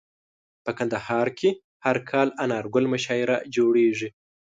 په کندهار کي هر کال انارګل مشاعره جوړیږي.